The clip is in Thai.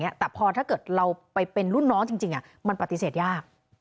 แต่พอถ้าเกิดเราไปเป็นรุ่นน้องจริงมันปฏิเสธยาก